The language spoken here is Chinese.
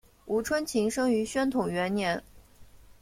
吴春晴生于宣统元年。